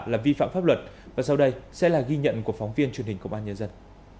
là vi phạm pháp luật và sau đây sẽ là ghi nhận của phóng viên truyền hình công an nhân dân